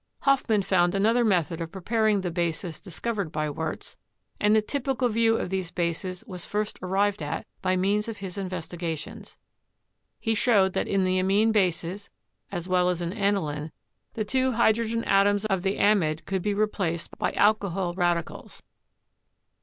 Hofmann found another method of preparing the bases discovered by Wurtz, and the "typical" view of these bases was first arrived at by means of his inves tigations. He showed that in the amine bases, as well as in aniline, the two hydrogen atoms of the amide could be replaced by alcohol radicals.